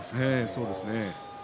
そうですね。